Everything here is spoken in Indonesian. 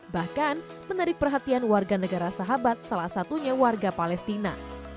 bahkan menarik perhatian warga negara sahabat salah satunya warga palestina